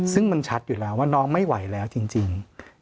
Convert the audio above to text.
ซึ่งมันชัดอยู่แล้วว่าน้องไม่ไหวแล้วจริง